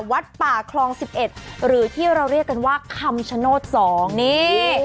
วัดป่าคลอง๑๑หรือที่เราเรียกกันว่าคำชโนธ๒นี่